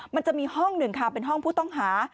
มันจะมีห้องหนึ่งค่ะเป็นห้องผู้ต้องหา